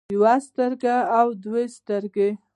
يوه سترګه او دوه سترګې